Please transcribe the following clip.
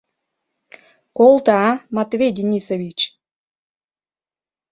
— Колто, а, Матвей Денисович!